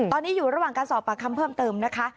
ตอนนี้อยู่ระหว่างการสอบปากคำเพิ่มเติมนะคะ